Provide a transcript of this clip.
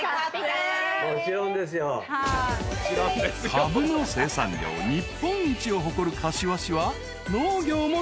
［カブの生産量日本一を誇る柏市は農業も盛ん］